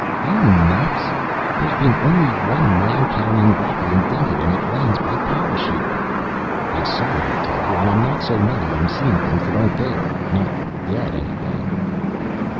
"You nuts? There's been only one man carrying rocket invented, and it lands by parachute." "I saw it, I tell you. And I'm not so nutty I'm seeing things that aren't there. Not yet, anyway!"